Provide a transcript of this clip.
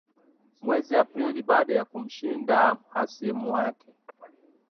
mwezi aprili baada ya kumshinda mhasimu wake